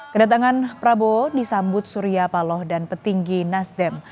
kedatangan prabowo disambut surya paloh dan petinggi nasdem